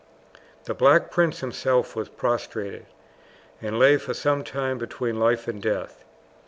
The Black Prince himself was prostrated, and lay for some time between life and death.